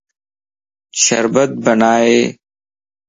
شربت بنائي